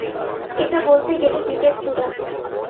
এটা বলতে গেলে, দ্বীপের চূড়া।